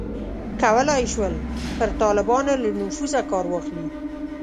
کولای یې شول پر طالبانو له نفوذه کار واخلي.